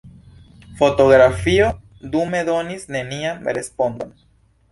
Fotografio dume donis nenian respondon.